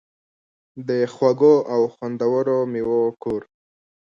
د خوږو او خوندورو میوو کور.